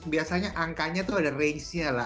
biasanya angkanya tuh ada range nya lah